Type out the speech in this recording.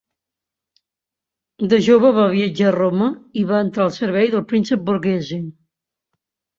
De jove va viatjar a Roma i va entrar al servei del príncep Borghese.